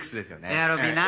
エアロビな。